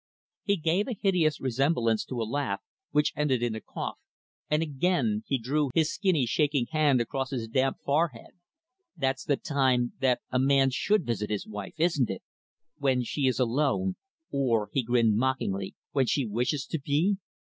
He gave a hideous resemblance to a laugh, which ended in a cough and, again, he drew his skinny, shaking hand across his damp forehead "That's the time that a man should visit his wife, isn't it? When she is alone. Or" he grinned mockingly "when she wishes to be?"